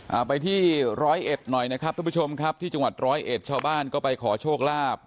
เอาไปที่ร้อยเอ็ดหน่อยนะครับทุกผู้ชมครับที่จังหวัดร้อยเอ็ดชาวบ้านก็ไปขอโชคลาภ